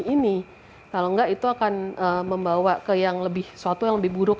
tapi kalau nggak itu akan membawa ke yang lebih suatu yang lebih buruk lagi